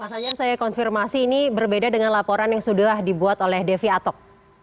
pak sajar saya konfirmasi ini berbeda dengan laporan yang sudah dibuat oleh devi atok